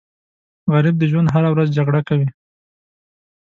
غریب د ژوند هره ورځ جګړه کوي